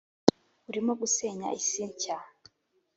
urimo gusenya isi nshya